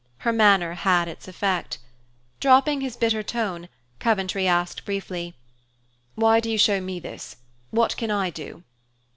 Her manner had its effect. Dropping his bitter tone, Coventry asked briefly, "Why do you show me this? What can I do?"